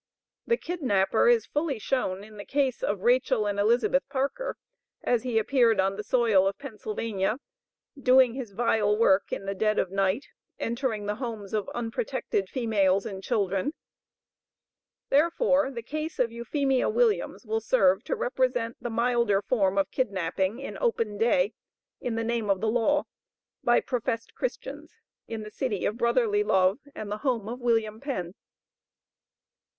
The kidnapper is fully shown in the case of Rachel and Elizabeth Parker as he appeared on the soil of Pennsylvania, doing his vile work in the dead of night, entering the homes of unprotected females and children, therefore: The case of Euphemia Williams will serve to represent the milder form of kidnapping in open day, in the name of the law, by professed Christians in the city of Brotherly Love, and the home of William Penn.